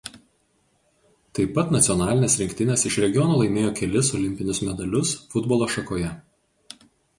Taip pat nacionalinės rinktinės iš regiono laimėjo kelis Olimpinius medalius futbolo šakoje.